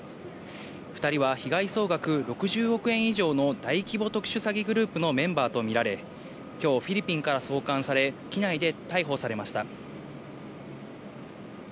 ２人は被害総額６０億円以上の大規模特殊詐欺グループのメンバーと見られ、きょう、フィリピンから送還され、機内で逮捕されました。